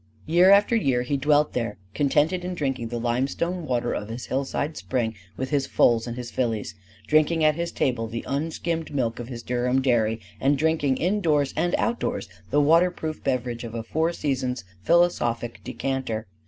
Year after year he dwelt there, contented in drinking the limestone water of his hillside spring with his foals and his fillies; drinking at his table the unskimmed milk of his Durham dairy; and drinking indoors and outdoors the waterproof beverage of a four seasons philosophic decanter.